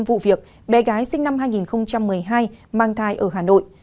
vụ việc bé gái sinh năm hai nghìn một mươi hai mang thai ở hà nội